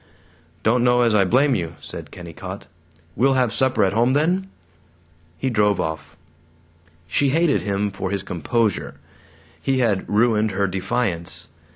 "Don't know as I blame you," said Kennicott. "Well have supper at home then?" He drove off. She hated him for his composure. He had ruined her defiance.